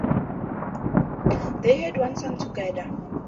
They had one son together.